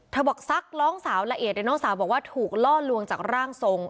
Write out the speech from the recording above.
บอกซักร้องสาวละเอียดแต่น้องสาวบอกว่าถูกล่อลวงจากร่างทรง